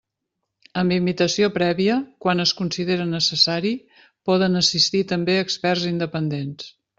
Amb invitació prèvia, quan es considere necessari, poden assistir també experts independents.